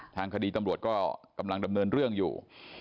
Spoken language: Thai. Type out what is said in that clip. ทางคดีตำรวจก็กำลังดำเนินเรื่องอยู่